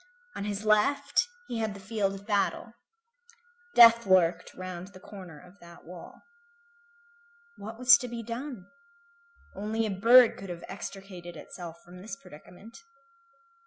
On his left he had the field of battle. Death lurked round the corner of that wall. What was to be done? Only a bird could have extricated itself from this predicament.